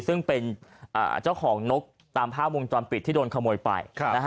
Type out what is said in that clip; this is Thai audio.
ซึ่งเป็นเจ้าของนกตามภาพวงจรปิดที่โดนขโมยไป